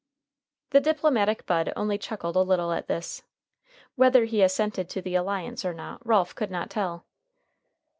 The diplomatic Bud only chuckled a little at this; whether he assented to the alliance or not Ralph could not tell.